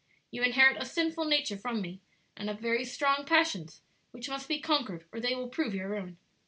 You inherit a sinful nature from me, and have very strong passions which must be conquered or they will prove your ruin.